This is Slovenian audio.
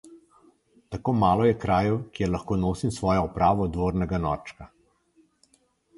Tako malo je krajev, kjer lahko nosim svojo opravo dvornega norčka.